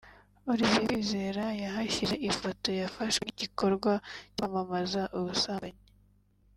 Olivier Kwizera yahashyize ifoto yafashwe nk’igikorwa cyo kwamamaza ubusambanyi